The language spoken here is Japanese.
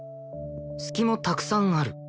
隙もたくさんある